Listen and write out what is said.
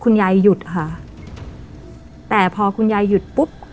หยุดค่ะแต่พอคุณยายหยุดปุ๊บ